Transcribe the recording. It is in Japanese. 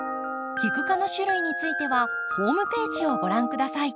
キク科の種類についてはホームページをご覧下さい。